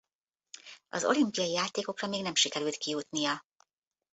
Az olimpiai játékokra még nem sikerült kijutnia.